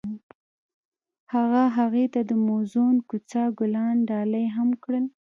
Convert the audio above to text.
هغه هغې ته د موزون کوڅه ګلان ډالۍ هم کړل.